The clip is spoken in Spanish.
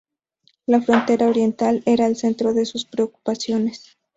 La frontera oriental era el centro de sus preocupaciones.